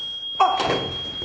あっ！